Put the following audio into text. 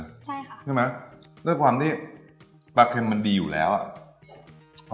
ใช่ค่ะใช่ไหมด้วยความที่ปลาเค็มมันดีอยู่แล้วอ่ะ